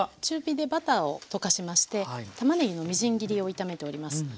中火でバターを溶かしましてたまねぎのみじん切りを炒めております。